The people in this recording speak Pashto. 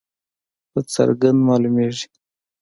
په څرګنده معلومیږي.